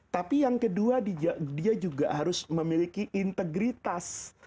tapi yang kedua dia juga harus memiliki integritas